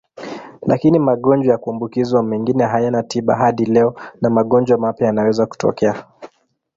Lakini magonjwa ya kuambukizwa mengine hayana tiba hadi leo na magonjwa mapya yanaweza kutokea.